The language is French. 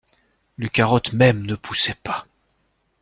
Les carottes mêmes ne poussaient pas.